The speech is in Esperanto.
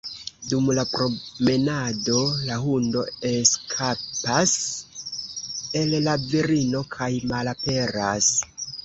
Dum la promenado, la hundo eskapas el la virino kaj malaperas.